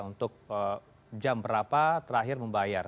untuk jam berapa terakhir membayar